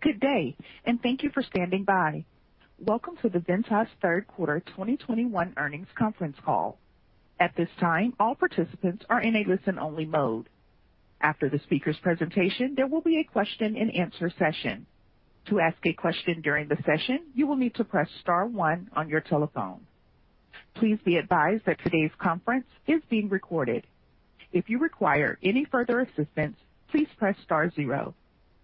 Good day, and thank you for standing by. Welcome to the Ventas Third Quarter 2021 Earnings Conference Call. At this time, all participants are in a listen-only mode. After the speaker's presentation, there will be a question-and-answer session. To ask a question during the session, you will need to press star one on your telephone. Please be advised that today's conference is being recorded. If you require any further assistance, please press star zero.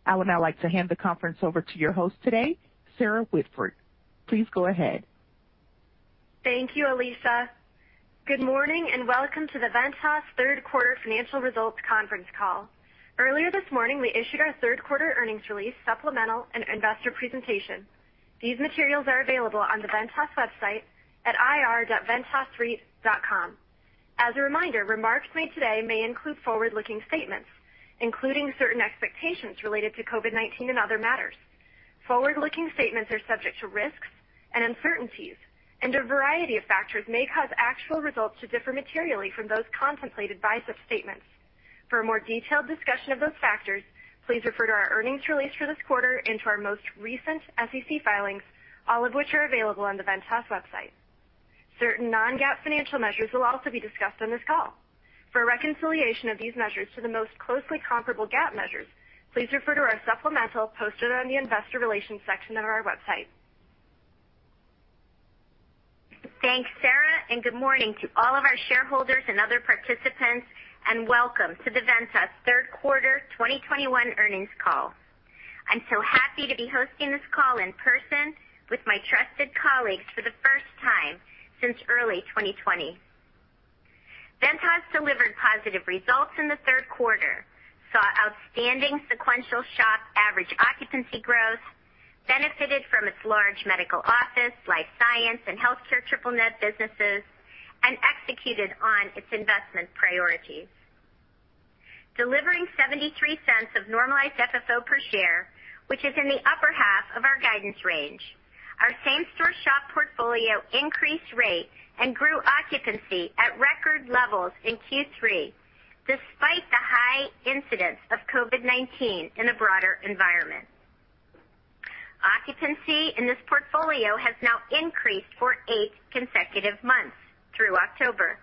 I would now like to hand the conference over to your host today, Sarah Whitford. Please go ahead. Thank you, Elisa. Good morning and welcome to the Ventas Third Quarter Financial Results Conference Call. Earlier this morning, we issued our third quarter earnings release, supplemental, and investor presentation. These materials are available on the Ventas website at ir.ventasreit.com. As a reminder, remarks made today may include forward-looking statements, including certain expectations related to COVID-19 and other matters. Forward-looking statements are subject to risks and uncertainties, and a variety of factors may cause actual results to differ materially from those contemplated by such statements. For a more detailed discussion of those factors, please refer to our earnings release for this quarter and to our most recent SEC filings, all of which are available on the Ventas website. Certain non-GAAP financial measures will also be discussed on this call. For a reconciliation of these measures to the most closely comparable GAAP measures, please refer to our supplemental posted on the investor relations section of our website. Thanks, Sarah, and good morning to all of our shareholders and other participants, and welcome to the Ventas Q3 2021 earnings call. I'm so happy to be hosting this call in person with my trusted colleagues for the first time since early 2020. Ventas delivered positive results in the third quarter, saw outstanding sequential SHOP average occupancy growth, benefited from its large medical office, life science, and healthcare triple-net businesses, and executed on its investment priorities, delivering $0.73 of normalized FFO per share, which is in the upper half of our guidance range. Our same-store SHOP portfolio increased rate and grew occupancy at record levels in Q3, despite the high incidence of COVID-19 in the broader environment. Occupancy in this portfolio has now increased for 8 consecutive months through October.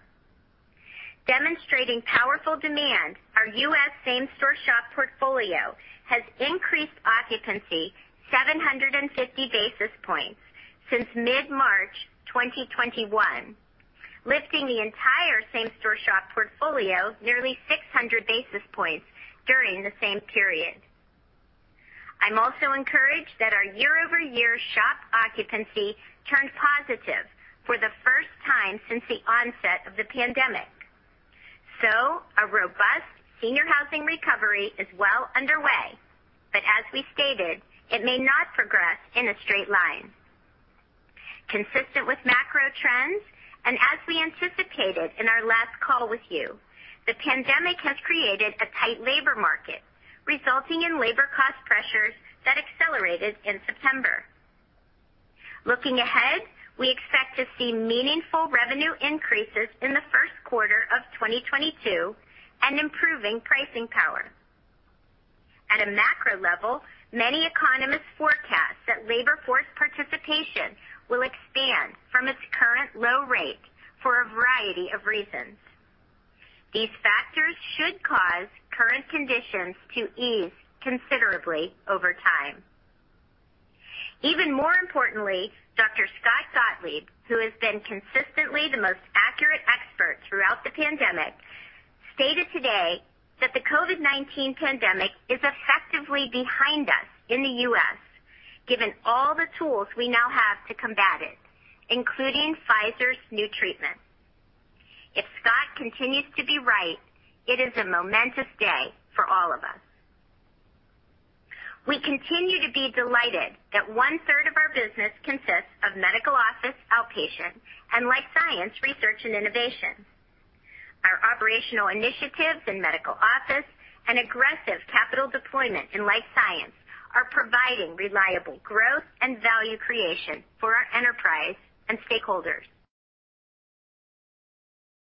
Demonstrating powerful demand, our U.S. same-store shop portfolio has increased occupancy 750 basis points since mid-March 2021, lifting the entire same-store shop portfolio nearly 600 basis points during the same period. I'm also encouraged that our year-over-year shop occupancy turned positive for the first time since the onset of the pandemic. A robust senior housing recovery is well underway, but as we stated, it may not progress in a straight line. Consistent with macro trends, and as we anticipated in our last call with you, the pandemic has created a tight labor market, resulting in labor cost pressures that accelerated in September. Looking ahead, we expect to see meaningful revenue increases in the first quarter of 2022 and improving pricing power. At a macro level, many economists forecast that labor force participation will expand from its current low rate for a variety of reasons. These factors should cause current conditions to ease considerably over time. Even more importantly, Dr. Scott Gottlieb, who has been consistently the most accurate expert throughout the pandemic, stated today that the COVID-19 pandemic is effectively behind us in the U.S., given all the tools we now have to combat it, including Pfizer's new treatment. If Scott continues to be right, it is a momentous day for all of us. We continue to be delighted that one-third of our business consists of medical office, outpatient, and life science, research and innovation. Our operational initiatives in medical office and aggressive capital deployment in life science are providing reliable growth and value creation for our enterprise and stakeholders.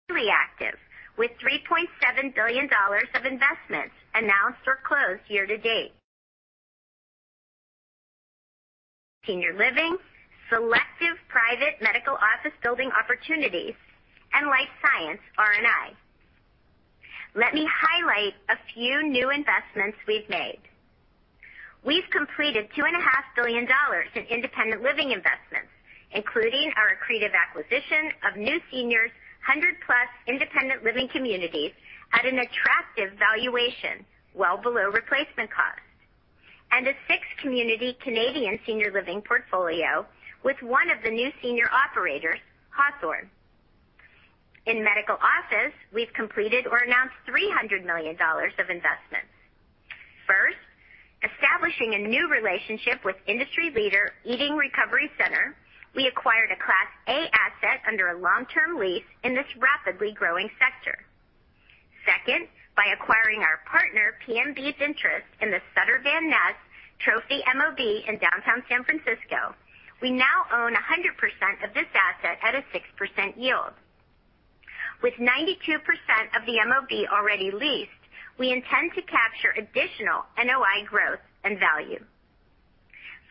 Reactive with $3.7 billion of investments announced or closed year to date. Senior living, selective private medical office building opportunities, and life science R&I. Let me highlight a few new investments we've made. We've completed $2.5 billion in independent living investments, including our accretive acquisition of New Senior's 100-plus independent living communities at an attractive valuation, well below replacement cost. A six-community Canadian senior living portfolio with one of the New Senior operators, Hawthorn. In medical office, we've completed or announced $300 million of investments. First, establishing a new relationship with industry leader Eating Recovery Center, we acquired a class A asset under a long-term lease in this rapidly growing sector. Second, by acquiring our partner PMB's interest in the Sutter Van Ness trophy MOB in downtown San Francisco. We now own 100% of this asset at a 6% yield. With 92% of the MOB already leased, we intend to capture additional NOI growth and value.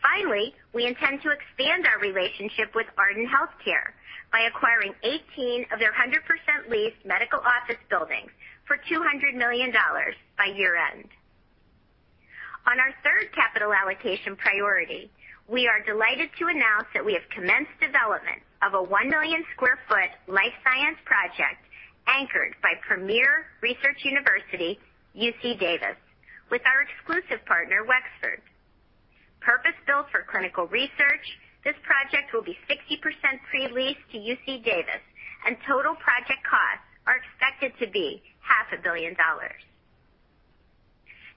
Finally, we intend to expand our relationship with Ardent Health Services by acquiring 18 of their 100% leased medical office buildings for $200 million by year-end. On our third capital allocation priority, we are delighted to announce that we have commenced development of a 1 million sq ft life science project anchored by premier research university, UC Davis, with our exclusive partner, Wexford. Purpose-built for clinical research, this project will be 60% pre-leased to UC Davis, and total project costs are expected to be half a billion dollars.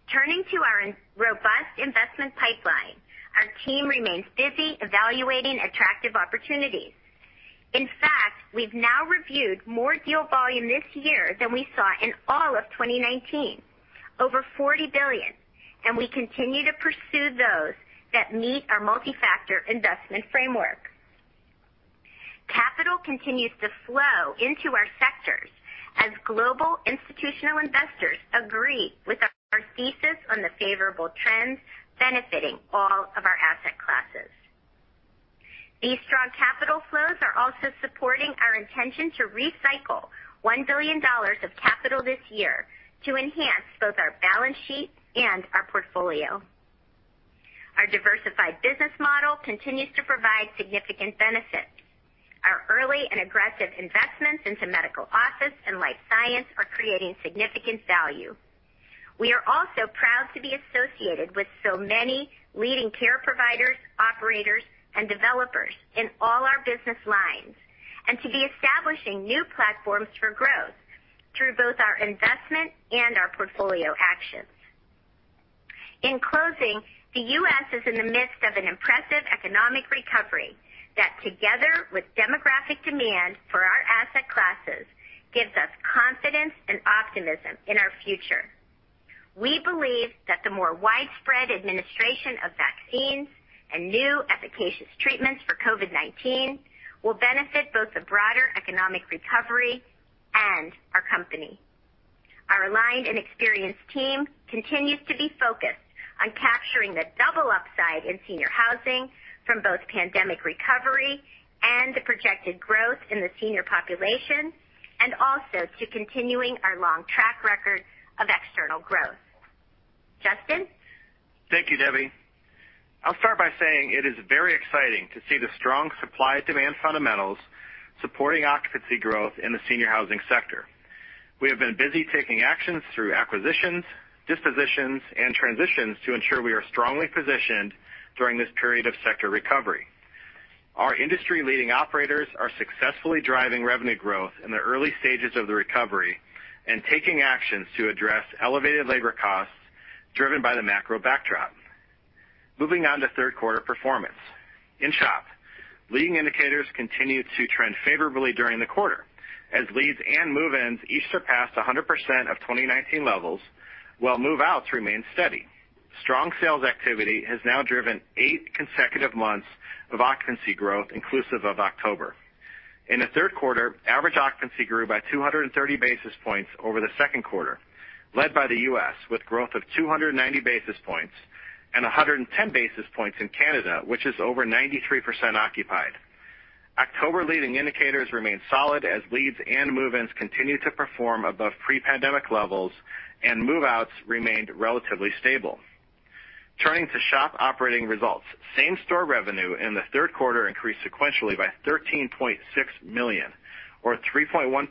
Turning to our robust investment pipeline, our team remains busy evaluating attractive opportunities. In fact, we've now reviewed more deal volume this year than we saw in all of 2019, over $40 billion, and we continue to pursue those that meet our multi-factor investment framework. Capital continues to flow into our sectors as global institutional investors agree with our thesis on the favorable trends benefiting all of our asset classes. These strong capital flows are also supporting our intention to recycle $1 billion of capital this year to enhance both our balance sheet and our portfolio. Our diversified business model continues to provide significant benefits. Our early and aggressive investments into medical office and life science are creating significant value. We are also proud to be associated with so many leading care providers, operators, and developers in all our business lines, and to be establishing new platforms for growth through both our investment and our portfolio actions. In closing, the U.S. is in the midst of an impressive economic recovery that, together with demographic demand for our asset classes, gives us confidence and optimism in our future. We believe that the more widespread administration of vaccines and new efficacious treatments for COVID-19 will benefit both the broader economic recovery and our company. Our aligned and experienced team continues to be focused on capturing the double upside in senior housing from both pandemic recovery and the projected growth in the senior population, and also to continuing our long track record of external growth. Justin? Thank you, Debbie. I'll start by saying it is very exciting to see the strong supply-demand fundamentals supporting occupancy growth in the senior housing sector. We have been busy taking actions through acquisitions, dispositions, and transitions to ensure we are strongly positioned during this period of sector recovery. Our industry-leading operators are successfully driving revenue growth in the early stages of the recovery and taking actions to address elevated labor costs driven by the macro backdrop. Moving on to third quarter performance. In SHOP, leading indicators continued to trend favorably during the quarter as leads and move-ins each surpassed 100% of 2019 levels, while move-outs remained steady. Strong sales activity has now driven 8 consecutive months of occupancy growth inclusive of October. In the third quarter, average occupancy grew by 230 basis points over the second quarter, led by the U.S. with growth of 290 basis points and 110 basis points in Canada, which is over 93% occupied. October leading indicators remained solid as leads and move-ins continued to perform above pre-pandemic levels, and move-outs remained relatively stable. Turning to SHOP operating results. Same-store revenue in the third quarter increased sequentially by $13.6 million, or 3.1%,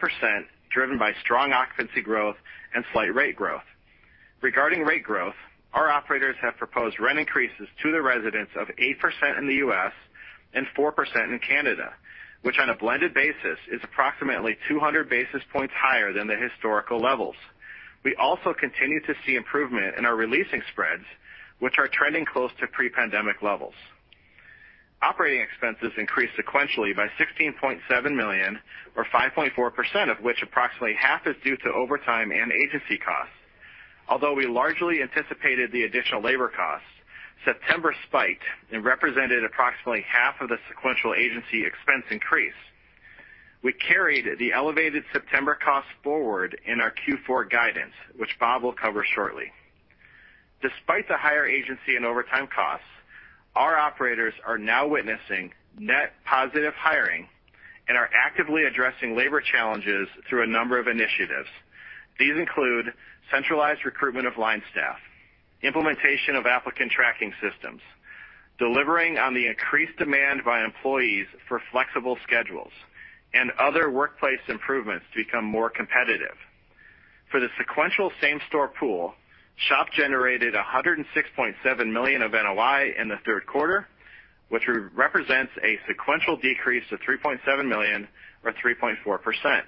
driven by strong occupancy growth and slight rate growth. Regarding rate growth, our operators have proposed rent increases to the residents of 8% in the U.S. and 4% in Canada, which on a blended basis is approximately 200 basis points higher than the historical levels. We also continue to see improvement in our re-leasing spreads, which are trending close to pre-pandemic levels. Operating expenses increased sequentially by $16.7 million or 5.4% of which approximately half is due to overtime and agency costs. Although we largely anticipated the additional labor costs, September spiked and represented approximately half of the sequential agency expense increase. We carried the elevated September costs forward in our Q4 guidance, which Bob will cover shortly. Despite the higher agency and overtime costs, our operators are now witnessing net positive hiring and are actively addressing labor challenges through a number of initiatives. These include centralized recruitment of line staff, implementation of applicant tracking systems, delivering on the increased demand by employees for flexible schedules, and other workplace improvements to become more competitive. For the sequential same-store pool, SHOP generated $106.7 million of NOI in the third quarter, which represents a sequential decrease to $3.7 million or 3.4%.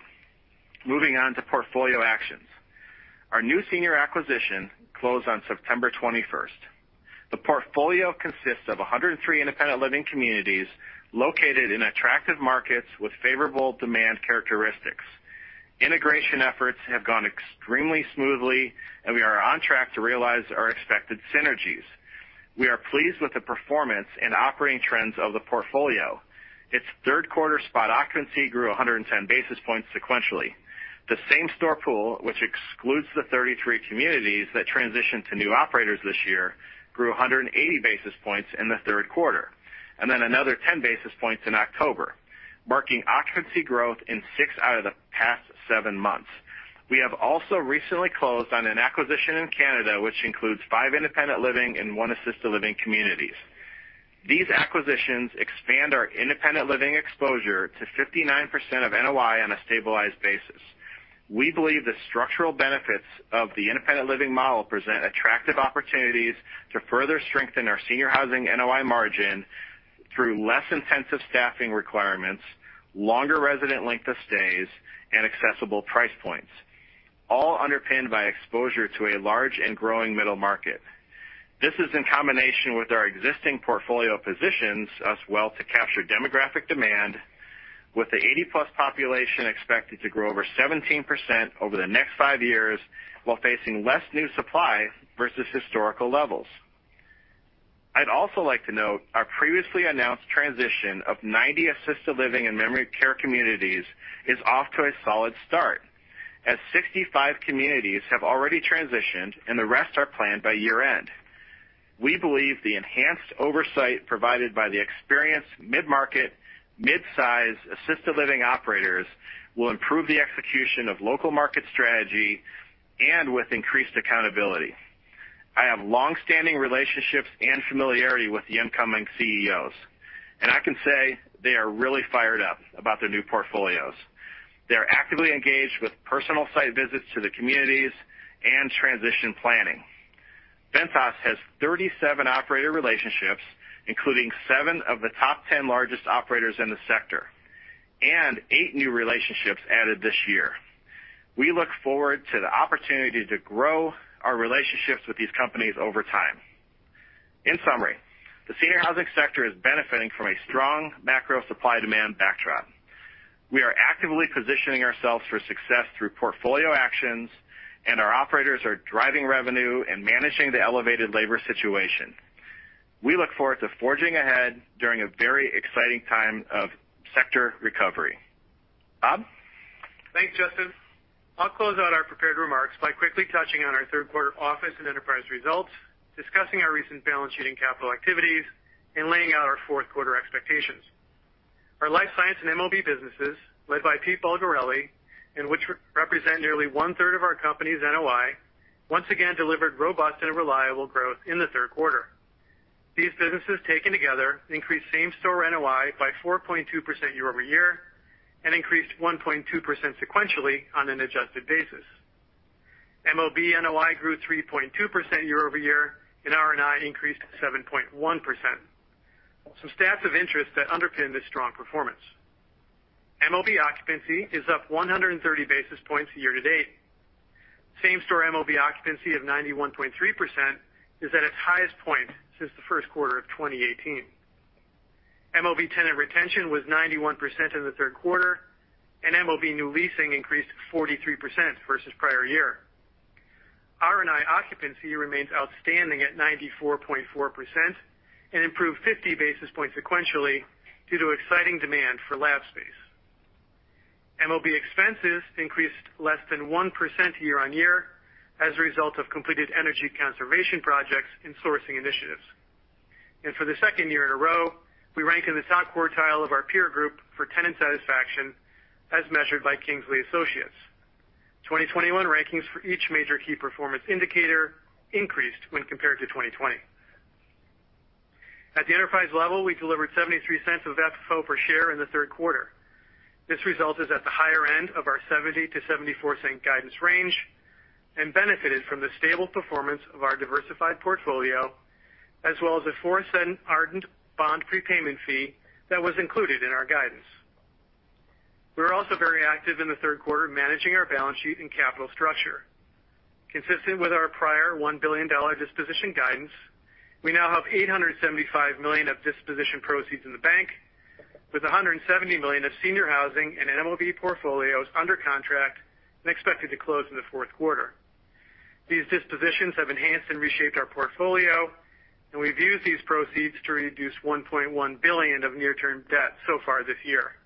Moving on to portfolio actions. Our New Senior acquisition closed on September 21. The portfolio consists of 103 independent living communities located in attractive markets with favorable demand characteristics. Integration efforts have gone extremely smoothly, and we are on track to realize our expected synergies. We are pleased with the performance and operating trends of the portfolio. Its third quarter spot occupancy grew 110 basis points sequentially. The same store pool, which excludes the 33 communities that transitioned to new operators this year, grew 180 basis points in the third quarter, and then another 10 basis points in October, marking occupancy growth in 6 out of the past 7 months. We have also recently closed on an acquisition in Canada, which includes 5 independent living and 1 assisted living communities. These acquisitions expand our independent living exposure to 59% of NOI on a stabilized basis. We believe the structural benefits of the independent living model present attractive opportunities to further strengthen our senior housing NOI margin through less intensive staffing requirements, longer resident length of stays, and accessible price points, all underpinned by exposure to a large and growing middle market. This is in combination with our existing portfolio positions as well to capture demographic demand with the 80+ population expected to grow over 17% over the next 5 years while facing less new supply versus historical levels. I'd also like to note our previously announced transition of 90 assisted living and memory care communities is off to a solid start, as 65 communities have already transitioned and the rest are planned by year-end. We believe the enhanced oversight provided by the experienced mid-market, mid-size assisted living operators will improve the execution of local market strategy and with increased accountability. I have long-standing relationships and familiarity with the incoming CEOs, and I can say they are really fired up about their new portfolios. They're actively engaged with personal site visits to the communities and transition planning. Ventas has 37 operator relationships, including 7 of the top 10 largest operators in the sector, and 8 new relationships added this year. We look forward to the opportunity to grow our relationships with these companies over time. In summary, the senior housing sector is benefiting from a strong macro supply-demand backdrop. We are actively positioning ourselves for success through portfolio actions, and our operators are driving revenue and managing the elevated labor situation. We look forward to forging ahead during a very exciting time of sector recovery. Bob? Thanks, Justin. I'll close out our prepared remarks by quickly touching on our third quarter office and enterprise results, discussing our recent balance sheet and capital activities, and laying out our fourth quarter expectations. Our life science and MOB businesses, led by Peter Bulgarelli, and which represent nearly one-third of our company's NOI, once again delivered robust and reliable growth in the third quarter. These businesses, taken together, increased same-store NOI by 4.2% year-over-year, and increased 1.2% sequentially on an adjusted basis. MOB NOI grew 3.2% year-over-year, and R&I increased 7.1%. Some stats of interest that underpin this strong performance. MOB occupancy is up 130 basis points year to date. Same-store MOB occupancy of 91.3% is at its highest point since the first quarter of 2018. MOB tenant retention was 91% in the third quarter, and MOB new leasing increased 43% versus prior year. R&I occupancy remains outstanding at 94.4% and improved 50 basis points sequentially due to exciting demand for lab space. MOB expenses increased less than 1% year-over-year as a result of completed energy conservation projects and sourcing initiatives. For the second year in a row, we rank in the top quartile of our peer group for tenant satisfaction as measured by Kingsley Associates. 2021 rankings for each major key performance indicator increased when compared to 2020. At the enterprise level, we delivered $0.73 of FFO per share in the third quarter. This result is at the higher end of our $0.70-$0.74 guidance range and benefited from the stable performance of our diversified portfolio, as well as a $0.04 Ardent bond prepayment fee that was included in our guidance. We were also very active in the third quarter, managing our balance sheet and capital structure. Consistent with our prior $1 billion disposition guidance, we now have $875 million of disposition proceeds in the bank, with $170 million of senior housing and MOB portfolios under contract and expected to close in the fourth quarter. These dispositions have enhanced and reshaped our portfolio, and we've used these proceeds to reduce $1.1 billion of near-term debt so far this year.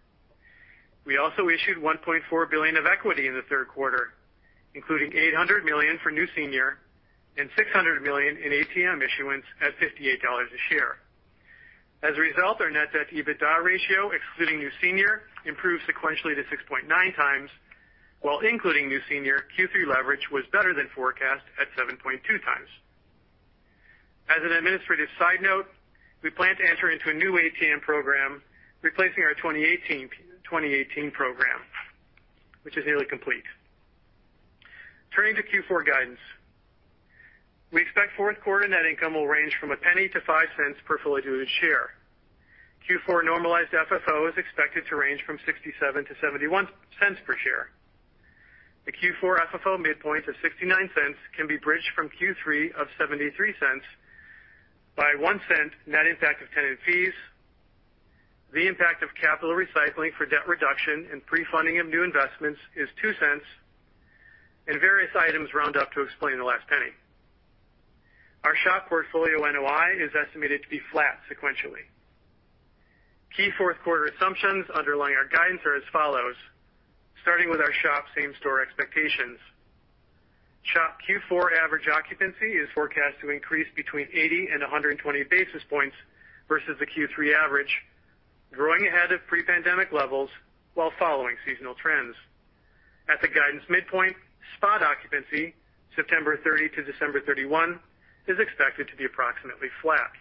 We also issued $1.4 billion of equity in the third quarter, including $800 million for New Senior and $600 million in ATM issuance at $58 a share. As a result, our net debt EBITDA ratio, excluding New Senior, improved sequentially to 6.9x, while including New Senior Q3 leverage was better than forecast at 7.2x. As an administrative side note, we plan to enter into a new ATM program, replacing our 2018 program, which is nearly complete. Turning to Q4 guidance. We expect fourth quarter net income will range from $0.01-$0.05 per fully diluted share. Q4 normalized FFO is expected to range from $0.67-$0.71 per share. The Q4 FFO midpoint of $0.69 can be bridged from Q3 of $0.73 by $0.01 net impact of tenant fees. The impact of capital recycling for debt reduction and pre-funding of new investments is $0.02, and various items round up to explain the last penny. Our SHOP portfolio NOI is estimated to be flat sequentially. Key fourth quarter assumptions underlying our guidance are as follows. Starting with our SHOP same-store expectations. SHOP Q4 average occupancy is forecast to increase between 80 and 120 basis points versus the Q3 average, growing ahead of pre-pandemic levels while following seasonal trends. At the guidance midpoint, SHOP occupancy September 30 to December 31 is expected to be approximately flat.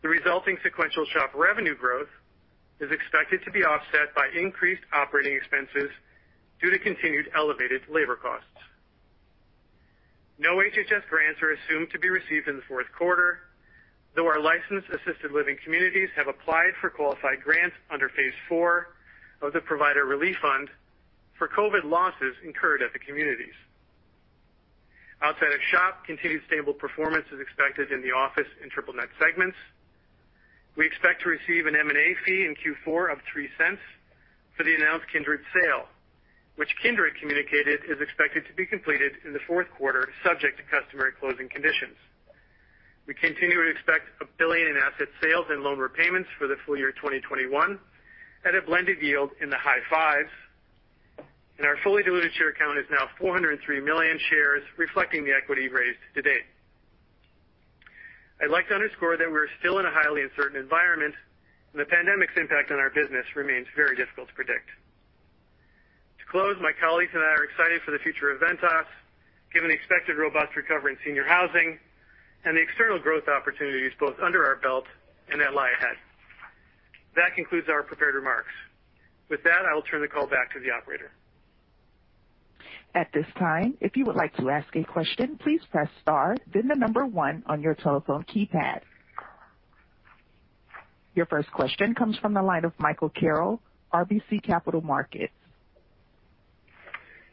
The resulting sequential SHOP revenue growth is expected to be offset by increased operating expenses due to continued elevated labor costs. No HHS grants are assumed to be received in the fourth quarter, though our licensed assisted living communities have applied for qualified grants under phase four of the Provider Relief Fund for COVID losses incurred at the communities. Outside of SHOP, continued stable performance is expected in the office and triple-net segments. We expect to receive an M&A fee in Q4 of $0.03 for the announced Kindred sale, which Kindred communicated is expected to be completed in the fourth quarter, subject to customary closing conditions. We continue to expect $1 billion in asset sales and loan repayments for the full year 2021 at a blended yield in the high fives, and our fully diluted share count is now 403 million shares, reflecting the equity raised to date. I'd like to underscore that we're still in a highly uncertain environment, and the pandemic's impact on our business remains very difficult to predict. To close, my colleagues and I are excited for the future of Ventas, given the expected robust recovery in senior housing and the external growth opportunities both under our belt and that lie ahead. That concludes our prepared remarks. With that, I will turn the call back to the operator. At this time, if you would like to ask a question, please press star, then the number one on your telephone keypad. Your first question comes from the line of Michael Carroll, RBC Capital Markets.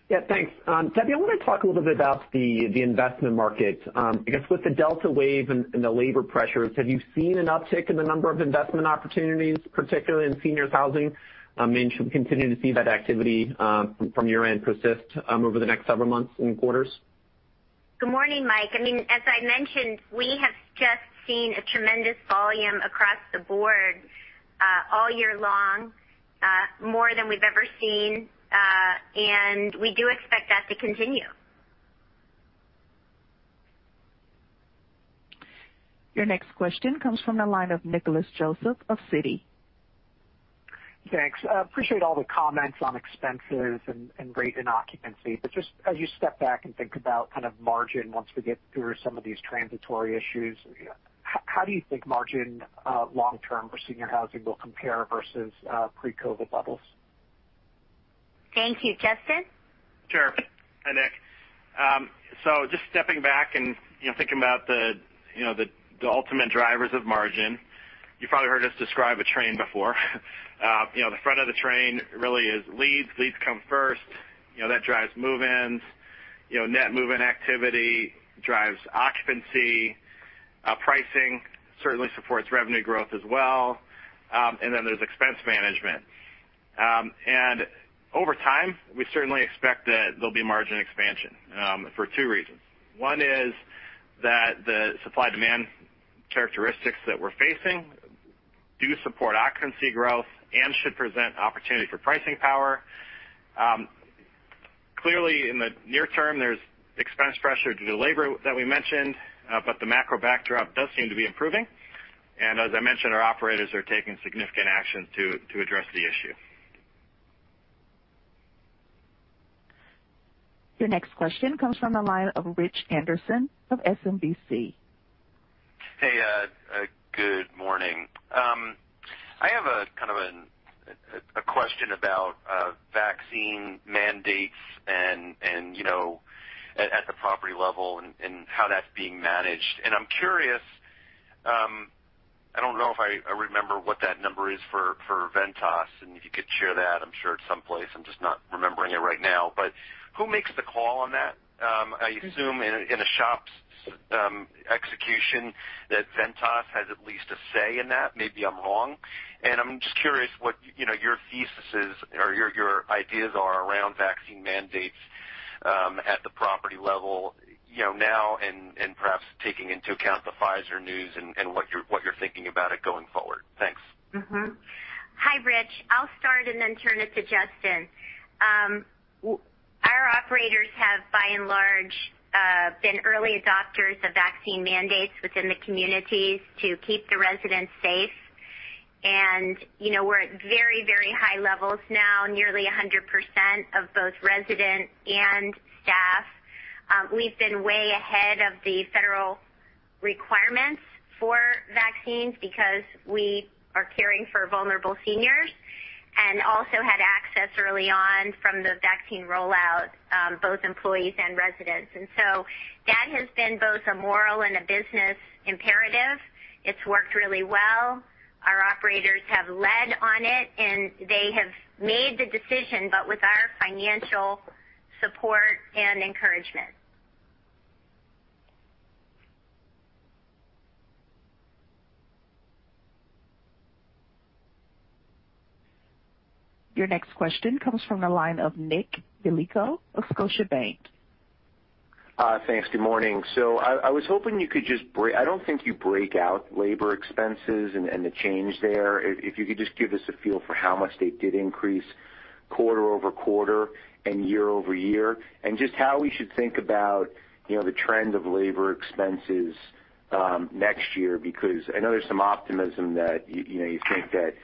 Yeah, thanks. Debbie, I want to talk a little bit about the investment market. I guess, with the Delta wave and the labor pressures, have you seen an uptick in the number of investment opportunities, particularly in senior housing? I mean, should we continue to see that activity from your end persist over the next several months and quarters? Good morning, Mike. I mean, as I mentioned, we have just seen a tremendous volume across the board, all year long, more than we've ever seen, and we do expect that to continue. Your next question comes from the line of Nicholas Joseph of Citi. Thanks. I appreciate all the comments on expenses and rate and occupancy. Just as you step back and think about kind of margin once we get through some of these transitory issues, how do you think margin long term for senior housing will compare versus pre-COVID levels? Thank you, Justin. Sure. Hi, Nick. So just stepping back and, you know, thinking about the ultimate drivers of margin, you probably heard us describe a train before. You know, the front of the train really is leads. Leads come first. You know, that drives move-ins. You know, net move-in activity drives occupancy. Pricing certainly supports revenue growth as well. Then there's expense management. Over time, we certainly expect that there'll be margin expansion for two reasons. One is that the supply-demand characteristics that we're facing do support occupancy growth and should present opportunity for pricing power. Clearly, in the near term, there's expense pressure due to labor that we mentioned, but the macro backdrop does seem to be improving, and as I mentioned, our operators are taking significant actions to address the issue. Your next question comes from the line of Rich Anderson of SMBC. Hey, good morning. I have a kind of a question about vaccine mandates and you know at the property level and how that's being managed. I'm curious, I don't know if I remember what that number is for Ventas, and if you could share that, I'm sure it's someplace. I'm just not remembering it right now. Who makes the call on that? I assume in a SHOP's execution that Ventas has at least a say in that, maybe I'm wrong. I'm just curious what you know your thesis is or your ideas are around vaccine mandates at the property level, you know now and perhaps taking into account the Pfizer news and what you're thinking about it going forward. Thanks. Mm-hmm. Hi, Rich. I'll start and then turn it to Justin. Our operators have by and large been early adopters of vaccine mandates within the communities to keep the residents safe. You know, we're at very, very high levels now, nearly 100% of both residents and staff. We've been way ahead of the federal requirements for vaccines because we are caring for vulnerable seniors and also had access early on from the vaccine rollout, both employees and residents. That has been both a moral and a business imperative. It's worked really well. Our operators have led on it, and they have made the decision, but with our financial support and encouragement. Your next question comes from the line of Nick Yulico of Scotiabank. Thanks. Good morning. I was hoping you could just break out labor expenses and the change there. I don't think you break out labor expenses and the change there. If you could just give us a feel for how much they did increase quarter-over-quarter and year-over-year, and just how we should think about, you know, the trend of labor expenses next year, because I know there's some optimism that you know, you think that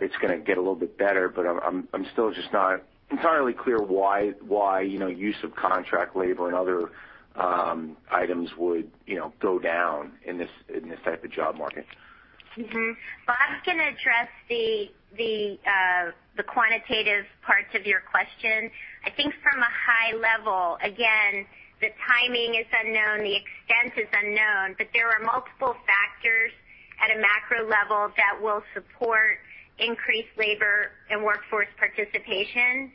it's gonna get a little bit better, but I'm still just not entirely clear why, you know, use of contract labor and other items would, you know, go down in this type of job market. Mm-hmm. Bob's gonna address the quantitative parts of your question. I think from a high level, again, the timing is unknown, the extent is unknown, but there are multiple factors at a macro level that will support increased labor and workforce participation.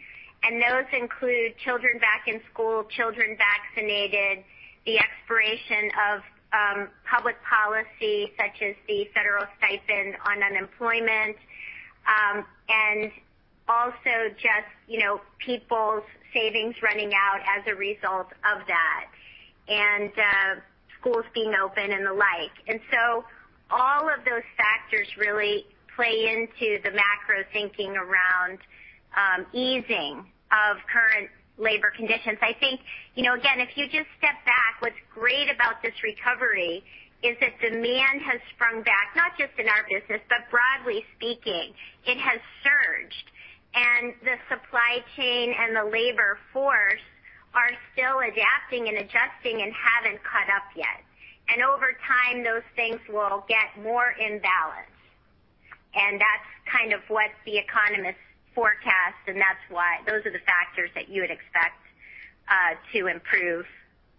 Those include children back in school, children vaccinated, the expiration of public policy such as the federal stipend on unemployment, and also just, you know, people's savings running out as a result of that, and schools being open and the like. All of those factors really play into the macro thinking around easing of current labor conditions. I think, you know, again, if you just step back, what's great about this recovery is that demand has sprung back, not just in our business, but broadly speaking, it has surged. The supply chain and the labor force are still adapting and adjusting and haven't caught up yet. Over time, those things will get more in balance. That's kind of what the economists forecast, and that's why those are the factors that you would expect to improve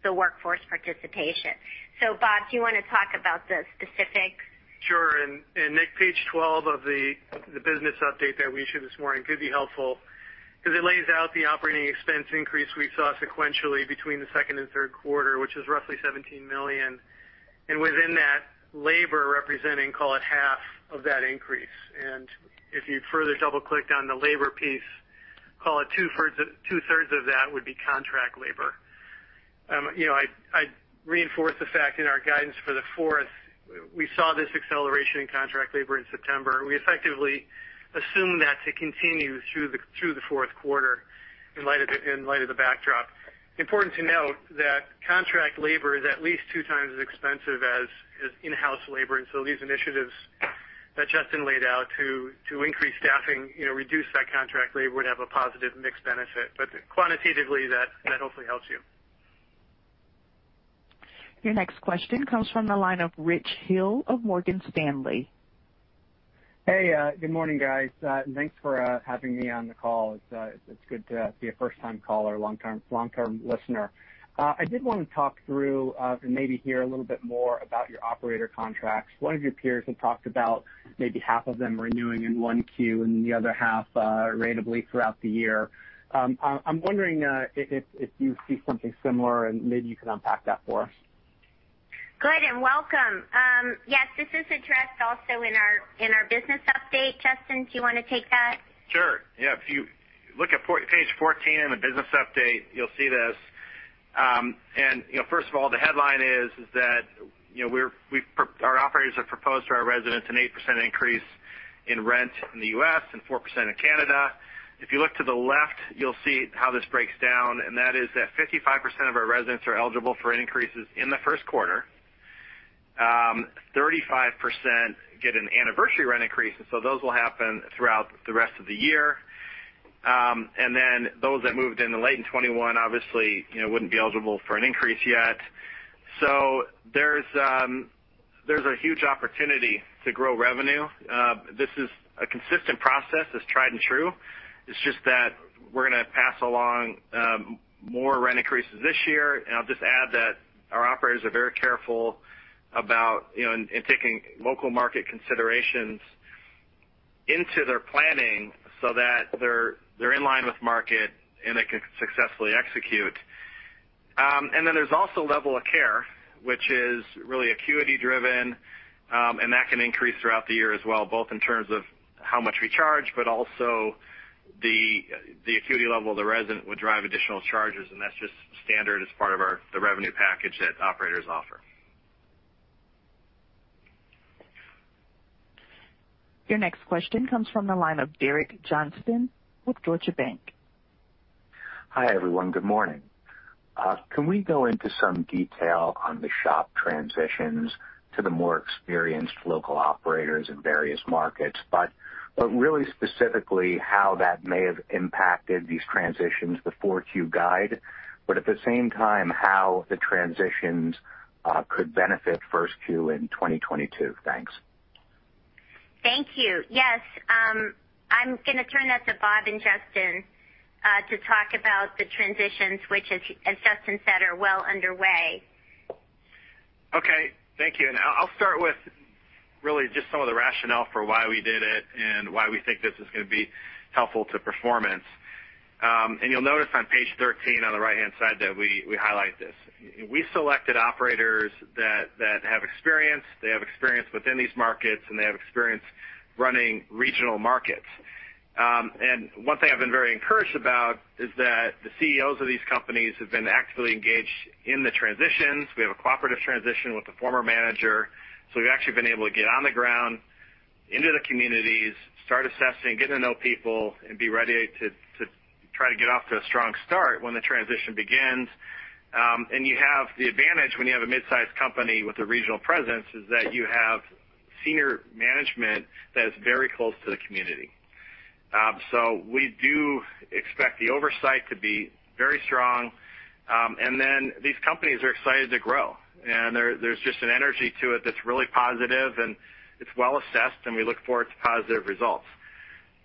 the workforce participation. Bob, do you wanna talk about the specifics? Sure. Nick, page 12 of the business update that we issued this morning could be helpful because it lays out the operating expense increase we saw sequentially between the second and third quarter, which is roughly $17 million. Within that, labor representing, call it, half of that increase. If you further double-click on the labor piece, call it two thirds of that would be contract labor. You know, I reinforce the fact in our guidance for the fourth, we saw this acceleration in contract labor in September. We effectively assume that to continue through the fourth quarter in light of the backdrop. Important to note that contract labor is at least two times as expensive as in-house labor. These initiatives that Justin laid out to increase staffing, you know, reduce that contract labor would have a positive mix benefit. Quantitatively, that hopefully helps you. Your next question comes from the line of Rich Hill of Morgan Stanley. Hey, good morning, guys. Thanks for having me on the call. It's good to be a first-time caller, long-term listener. I did want to talk through and maybe hear a little bit more about your operator contracts. One of your peers had talked about maybe half of them renewing in one Q and the other half ratably throughout the year. I'm wondering if you see something similar, and maybe you can unpack that for us. Good welcome. Yes, this is addressed also in our business update. Justin, do you wanna take that? Sure. Yeah. If you look at page 14 in the business update, you'll see this. You know, first of all, the headline is that, you know, our operators have proposed to our residents an 8% increase in rent in the U.S. and 4% in Canada. If you look to the left, you'll see how this breaks down, and that is that 55% of our residents are eligible for increases in the first quarter. 35% get an anniversary rent increase, and so those will happen throughout the rest of the year. Those that moved in late in 2021 obviously, you know, wouldn't be eligible for an increase yet. There's a huge opportunity to grow revenue. This is a consistent process that's tried and true. It's just that we're gonna pass along more rent increases this year. I'll just add that our operators are very careful about, you know, in taking local market considerations into their planning so that they're in line with market, and they can successfully execute. Then there's also level of care, which is really acuity driven, and that can increase throughout the year as well, both in terms of how much we charge, but also the acuity level of the resident would drive additional charges, and that's just standard as part of the revenue package that operators offer. Your next question comes from the line of Derek Johnston with Deutsche Bank. Hi, everyone. Good morning. Can we go into some detail on the SHOP transitions to the more experienced local operators in various markets, but really specifically how that may have impacted these transitions, the Q4 guide, but at the same time, how the transitions could benefit Q1 in 2022? Thanks. Thank you. Yes. I'm gonna turn that to Bob and Justin to talk about the transitions, which as Justin said, are well underway. Okay. Thank you. Really just some of the rationale for why we did it and why we think this is gonna be helpful to performance. You'll notice on page 13 on the right-hand side that we highlight this. We selected operators that have experience, they have experience within these markets, and they have experience running regional markets. One thing I've been very encouraged about is that the CEOs of these companies have been actively engaged in the transitions. We have a cooperative transition with the former manager. We've actually been able to get on the ground into the communities, start assessing, get to know people, and be ready to try to get off to a strong start when the transition begins. You have the advantage when you have a mid-sized company with a regional presence, is that you have senior management that is very close to the community. We do expect the oversight to be very strong. These companies are excited to grow. There's just an energy to it that's really positive, and it's well assessed, and we look forward to positive results.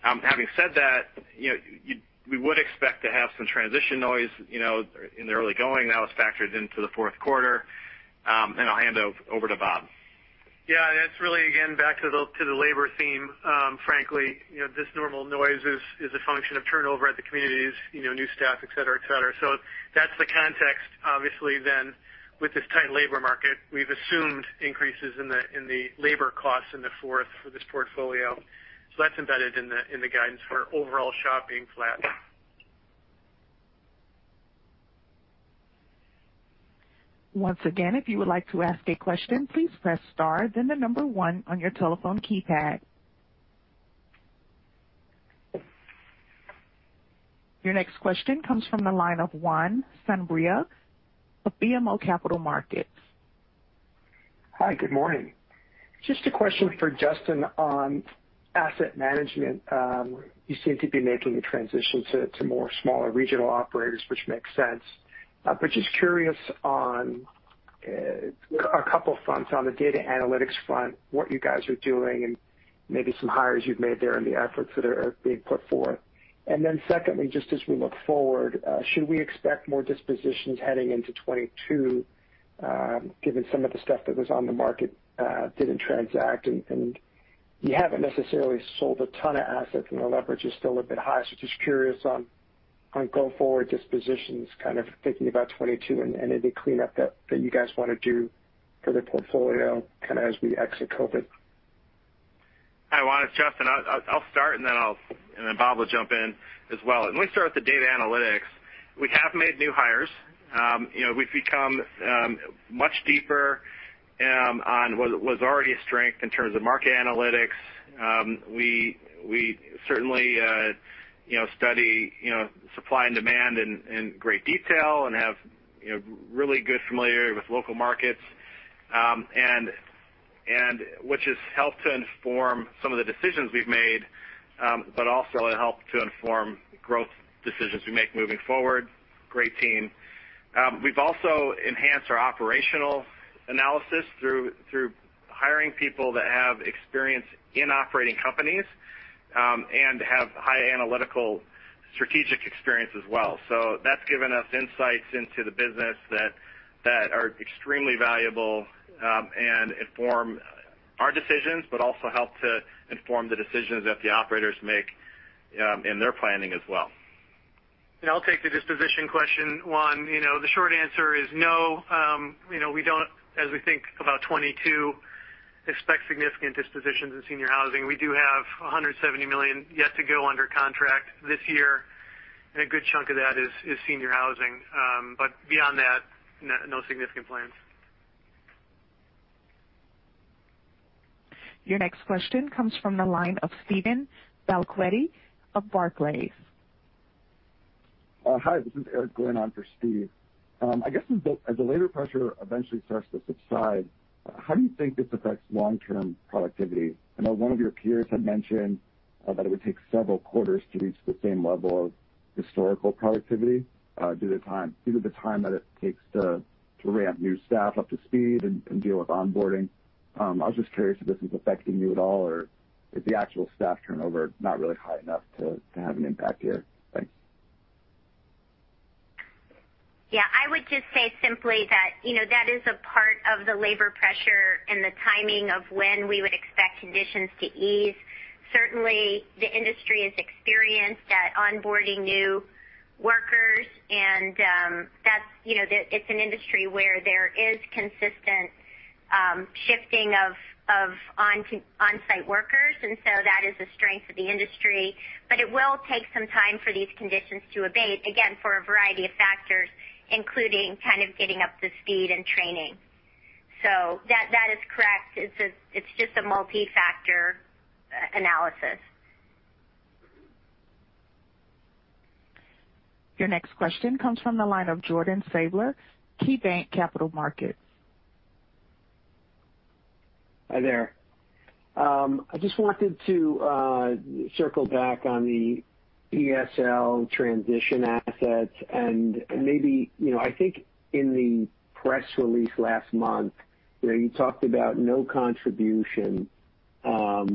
Having said that, you know, we would expect to have some transition noise, you know, in the early going. That was factored into the fourth quarter. I'll hand over to Bob. Yeah, that's really again back to the labor theme. Frankly, you know, this normal noise is a function of turnover at the communities, you know, new staff, et cetera. That's the context, obviously, then with this tight labor market. We've assumed increases in the labor costs in the fourth for this portfolio. That's embedded in the guidance for overall SHOP flat. Once again, if you would like to ask a question, please press star, then the number one on your telephone keypad. Your next question comes from the line of Juan Sanabria of BMO Capital Markets. Hi, good morning. Just a question for Justin on asset management. You seem to be making the transition to more smaller regional operators, which makes sense. Just curious on a couple of fronts, on the data analytics front, what you guys are doing and maybe some hires you've made there and the efforts that are being put forth. Then secondly, just as we look forward, should we expect more dispositions heading into 2022, given some of the stuff that was on the market didn't transact, and you haven't necessarily sold a ton of assets, and the leverage is still a bit high. Just curious on go forward dispositions, kind of thinking about 2022 and any cleanup that you guys wanna do for the portfolio kind of as we exit COVID. Hi, Juan. It's Justin. I'll start, and then Bob will jump in as well. Let me start with the data analytics. We have made new hires. You know, we've become much deeper on what was already a strength in terms of market analytics. We certainly you know study you know supply and demand in great detail and have really good familiarity with local markets, and which has helped to inform some of the decisions we've made, but also it helped to inform growth decisions we make moving forward. Great team. We've also enhanced our operational analysis through hiring people that have experience in operating companies, and have high analytical strategic experience as well. That's given us insights into the business that are extremely valuable, and inform our decisions, but also help to inform the decisions that the operators make, in their planning as well. I'll take the disposition question, Juan. You know, the short answer is no. You know, we don't, as we think about 2022, expect significant dispositions in senior housing. We do have $170 million yet to go under contract this year, and a good chunk of that is senior housing. But beyond that, no significant plans. Your next question comes from the line of Steve Valiquette of Barclays. Hi, this is Eric going on for Steve. I guess as the labor pressure eventually starts to subside, how do you think this affects long-term productivity? I know one of your peers had mentioned that it would take several quarters to reach the same level of historical productivity due to the time that it takes to ramp new staff up to speed and deal with onboarding. I was just curious if this is affecting you at all, or is the actual staff turnover not really high enough to have an impact here? Thanks. Yeah. I would just say simply that, you know, that is a part of the labor pressure and the timing of when we would expect conditions to ease. Certainly, the industry is experienced at onboarding new workers, and that's, you know, it's an industry where there is consistent shifting of on-site workers, and so that is the strength of the industry. It will take some time for these conditions to abate, again, for a variety of factors, including kind of getting up to speed and training. That is correct. It's just a multi-factor analysis. Your next question comes from the line of Jordan Sadler, KeyBanc Capital Markets. Hi, there. I just wanted to circle back on the ESL transition assets. Maybe, you know, I think in the press release last month, you know, you talked about no contribution of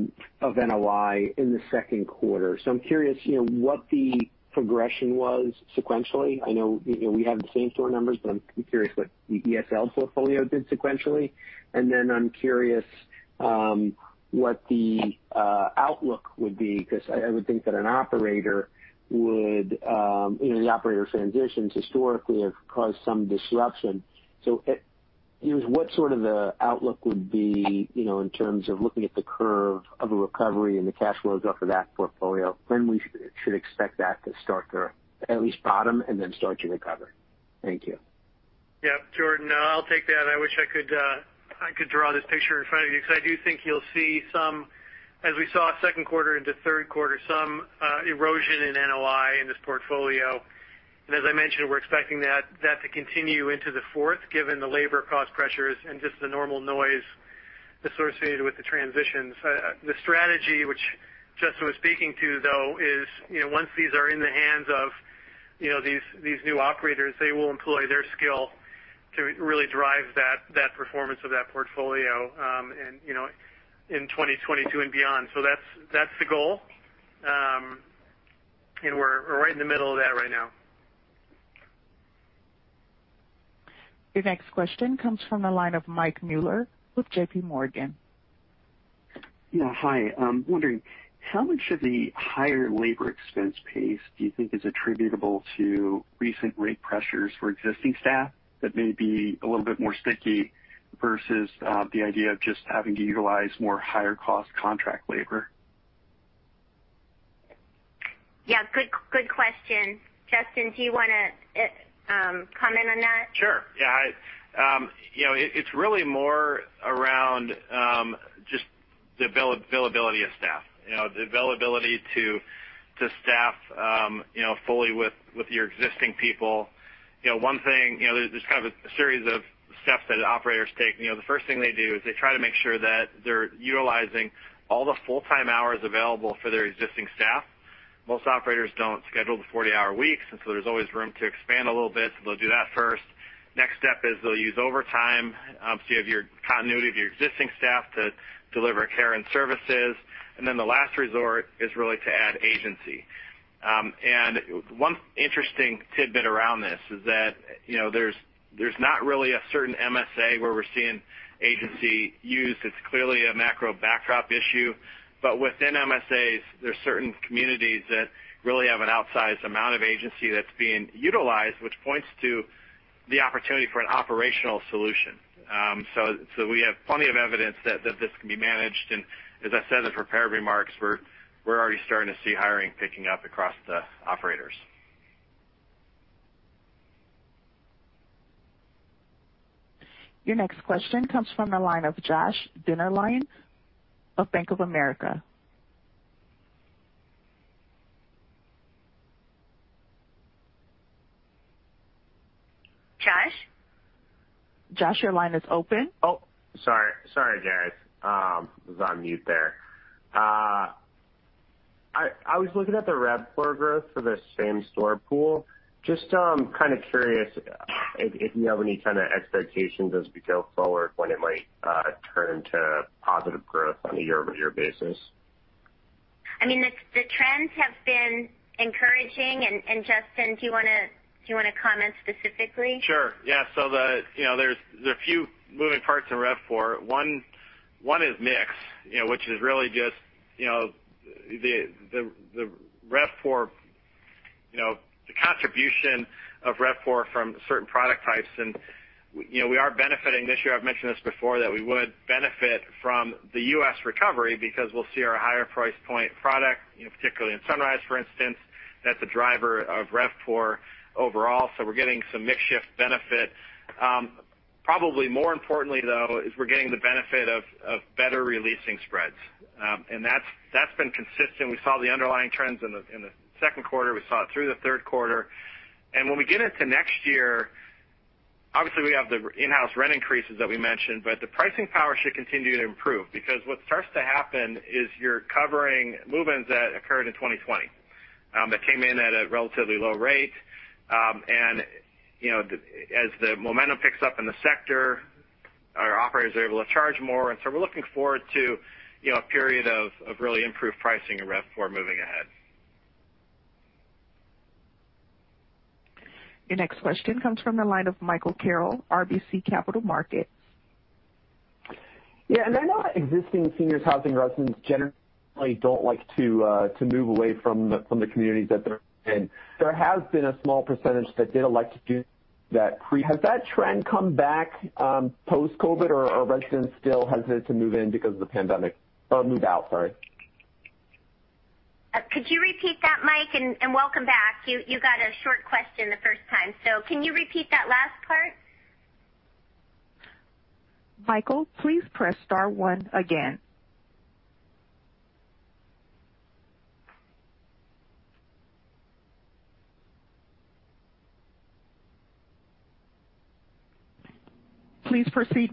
NOI in the second quarter. I'm curious, you know, what the progression was sequentially. I know, you know, we have the same store numbers, but I'm curious what the ESL portfolio did sequentially. Then I'm curious what the outlook would be because I would think that an operator would, you know, the operator transitions historically have caused some disruption. What sort of outlook would be, you know, in terms of looking at the curve of a recovery and the cash flows off of that portfolio, when we should expect that to start or at least bottom and then start to recover. Thank you. Yeah. Jordan, I'll take that. I wish I could draw this picture in front of you because I do think you'll see some, as we saw second quarter into third quarter, some erosion in NOI in this portfolio. As I mentioned, we're expecting that to continue into the fourth, given the labor cost pressures and just the normal noise associated with the transitions. The strategy which Justin was speaking to, though, is, you know, once these are in the hands of, you know, these new operators, they will employ their skill to really drive that performance of that portfolio, and you know, in 2022 and beyond. That's the goal. We're right in the middle of that right now. Your next question comes from the line of Mike Mueller with JPMorgan. Yeah, hi. I'm wondering, how much of the higher labor expense pace do you think is attributable to recent rate pressures for existing staff that may be a little bit more sticky versus, the idea of just having to utilize more higher cost contract labor? Yeah, good question. Justin, do you wanna comment on that? Sure. Yeah. You know, it's really more around just the availability of staff. You know, the availability to staff fully with your existing people. You know, one thing, you know, there's kind of a series of steps that operators take. You know, the first thing they do is they try to make sure that they're utilizing all the full-time hours available for their existing staff. Most operators don't schedule the 40-hour weeks, and so there's always room to expand a little bit, so they'll do that first. Next step is they'll use overtime, so you have your continuity of your existing staff to deliver care and services. The last resort is really to add agency. One interesting tidbit around this is that, you know, there's not really a certain MSA where we're seeing agency used. It's clearly a macro backdrop issue. Within MSAs, there are certain communities that really have an outsized amount of agency that's being utilized, which points to the opportunity for an operational solution. We have plenty of evidence that this can be managed. As I said in the prepared remarks, we're already starting to see hiring picking up across the operators. Your next question comes from the line of Josh Dennerlein of Bank of America. Josh? Josh, your line is open. Oh, sorry. Sorry, guys. I was on mute there. I was looking at the RevPOR growth for the same-store pool. Just kind of curious if you have any kind of expectations as we go forward, when it might turn to positive growth on a year-over-year basis? I mean, the trends have been encouraging. Justin, do you wanna comment specifically? Sure. Yeah. There's a few moving parts in RevPOR. One is mix, you know, which is really just, you know, the RevPOR, you know, the contribution of RevPOR from certain product types. You know, we are benefiting this year. I've mentioned this before, that we would benefit from the U.S. recovery because we'll see our higher price point product, you know, particularly in Sunrise, for instance, that's a driver of RevPOR overall. We're getting some mix shift benefit. Probably more importantly, though, is we're getting the benefit of better releasing spreads. That's been consistent. We saw the underlying trends in the second quarter. We saw it through the third quarter. When we get into next year, obviously we have the in-house rent increases that we mentioned, but the pricing power should continue to improve because what starts to happen is you're covering move-ins that occurred in 2020 that came in at a relatively low rate. You know, as the momentum picks up in the sector, our operators are able to charge more. We're looking forward to, you know, a period of really improved pricing in RevPOR moving ahead. Your next question comes from the line of Michael Carroll, RBC Capital Markets. Yeah. I know existing seniors housing residents generally don't like to move away from the communities that they're in. There has been a small percentage that did elect to do that pre-COVID. Has that trend come back post-COVID, or are residents still hesitant to move in because of the pandemic? Or move out, sorry. Could you repeat that, Mike? Welcome back. You got a short question the first time. Can you repeat that last part? Michael, please press star one again. Please proceed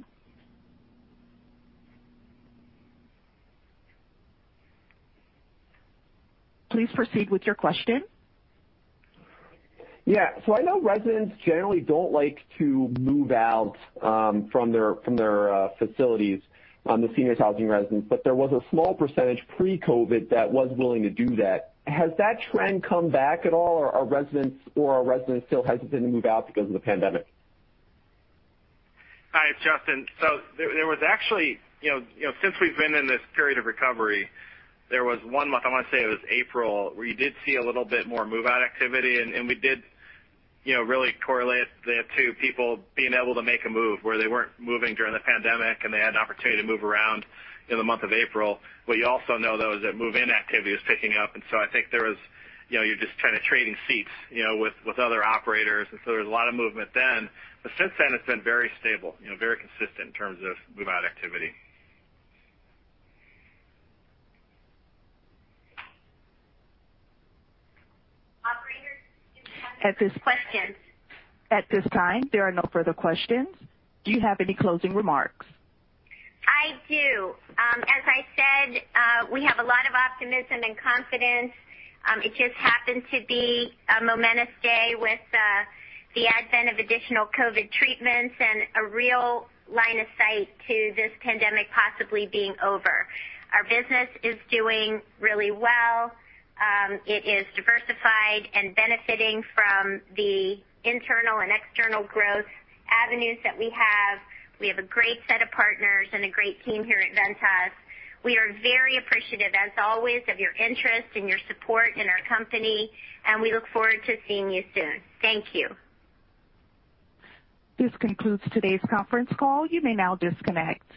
with your question. Yeah. I know residents generally don't like to move out from their facilities in the senior housing residences, but there was a small percentage pre-COVID that was willing to do that. Has that trend come back at all, or are residents still hesitant to move out because of the pandemic? Hi, it's Justin. There was actually, you know, since we've been in this period of recovery, there was one month, I wanna say it was April, where you did see a little bit more move-out activity, and we did, you know, really correlate the two, people being able to make a move where they weren't moving during the pandemic, and they had an opportunity to move around in the month of April. What you also know, though, is that move-in activity is picking up. I think there was, you know, you're just kind of trading seats, you know, with other operators. There was a lot of movement then. Since then, it's been very stable, you know, very consistent in terms of move-out activity. Operator, do you have any further questions? At this time, there are no further questions. Do you have any closing remarks? I do. As I said, we have a lot of optimism and confidence. It just happened to be a momentous day with the advent of additional COVID treatments and a real line of sight to this pandemic possibly being over. Our business is doing really well. It is diversified and benefiting from the internal and external growth avenues that we have. We have a great set of partners and a great team here at Ventas. We are very appreciative, as always, of your interest and your support in our company, and we look forward to seeing you soon. Thank you. This concludes today's conference call. You may now disconnect.